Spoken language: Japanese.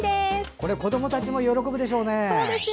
これ子どもたちも喜ぶでしょうね。